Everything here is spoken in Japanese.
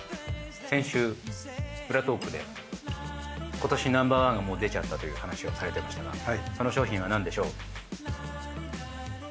先週裏トークで今年ナンバーワンがもう出ちゃったという話をされてましたがその商品は何でしょう？